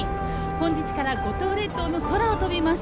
本日から五島列島の空を飛びます。